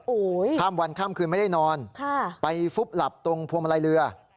ข้ามวันข้ามคืนไม่ได้นอนค่ะไปฟุบหลับตรงพวงมาลัยเรือ